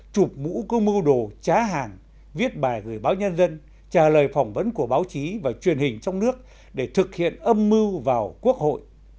chụp mũ cơ mưu đồ trá hàng viết bài gửi báo nhân dân trả lời phỏng vấn của báo chí và truyền hình trong nước để thực hiện âm mưu vào quốc hội